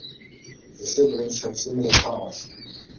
The siblings have similar powers.